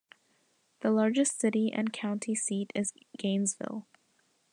The largest city and county seat is Gainesville.